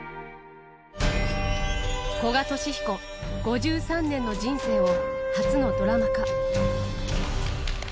古賀稔彦５３年の人生を初のドラマ化。